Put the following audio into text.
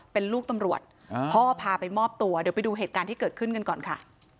เป็นลูกตำรวจพ่อพาไปมอบตัวเดี๋ยวไปดูเหตุการณ์ที่เกิดขึ้นกันก่อนค่ะ